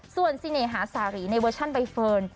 ส่วนเสน่หาสารีในเวอร์ชันใบเฟิร์น